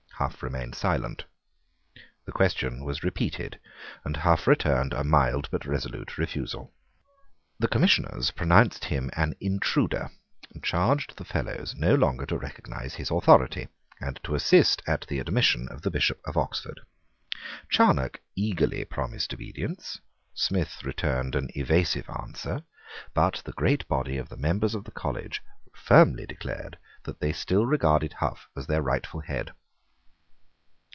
Hough remained silent. The question was repeated; and Hough returned a mild but resolute refusal. The Commissioners pronounced him an intruder, and charged the Fellows no longer to recognise his authority, and to assist at the admission of the Bishop of Oxford. Charneck eagerly promised obedience; Smith returned an evasive answer: but the great body of the members of the college firmly declared that they still regarded Hough as their rightful head.